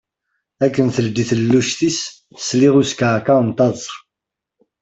Akken teldi talelluct-is, sliɣ i uskeεkeε n teṭsa.